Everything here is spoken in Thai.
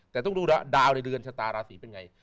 แต่ต้องดูแล้วดาวในเรือนชะตาราศิกร์เป็นไง